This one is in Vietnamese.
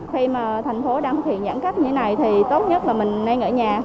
khi mà thành phố đang thực hiện giãn cách như thế này thì tốt nhất là mình nên ở nhà